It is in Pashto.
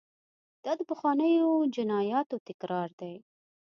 دا د پخوانیو جنایاتو تکرار دی.